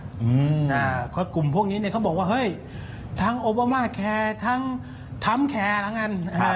อืมอ่าก็กลุ่มพวกนี้เนี้ยเขาบอกว่าเฮ้ยทั้งโอบามาแคร์ทั้งทรัมป์แคร์แล้วกันอ่า